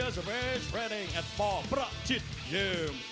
สวัสดีครับทุกคน